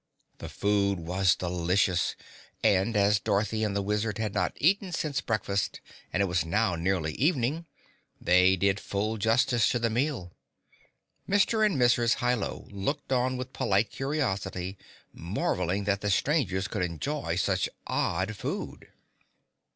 The food was delicious and as Dorothy and the Wizard had not eaten since breakfast, and it was now nearly evening, they did full justice to the meal. Mr. and Mrs. Hi Lo looked on with polite curiosity, marveling that the strangers could enjoy such odd food.